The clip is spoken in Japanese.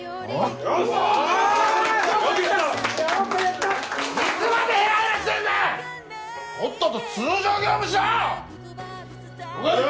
とっとと通常業務しろ‼了解。